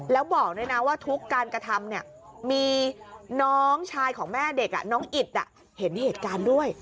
แล้วบอกด้วยนะว่าทุกการกระทำมีน้องชายของแม่เด็กน้องอิดเห็นเหตุการณ์ด้วย